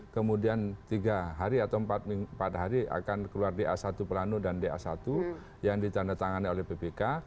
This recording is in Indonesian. kemudian tiga hari atau empat hari akan keluar da satu prano dan da satu yang ditandatangani oleh ppk